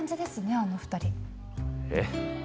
あの２人えっ？